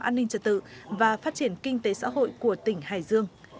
an ninh trật tự và phát triển kinh tế xã hội của tỉnh hải dương